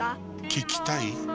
聞きたい？